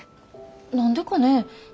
何でかねぇ。